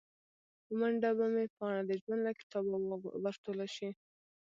په منډه به مې پاڼه د ژوند له کتابه ور ټوله شي